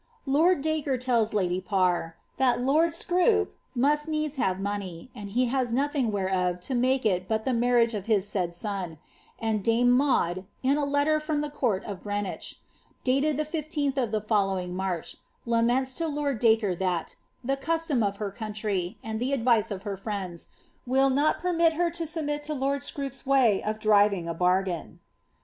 Lord Dacre tells lady Parr, ^ that lord Scroop must needs have money, ind he has nothing whereof to make it but the marriage of his said son;''* and dame Maud, in a letter from the court of Greenwich, dated the 15th of the following March, laments to my lord Dacre that, the custom of her country, and the advice of her friends, will not permit her to submit to lord Scroop's way of driving a bargain.